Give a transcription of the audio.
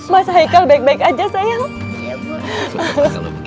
mas haikal baik baik aja saya